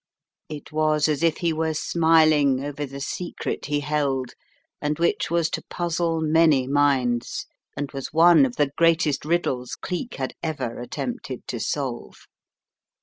It was as if he were smiling over the secret he held and which was to puzzle many minds, and was one of the greatest riddles Cleek had ever at tempted to solve.